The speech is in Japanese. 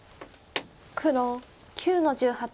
黒９の十八。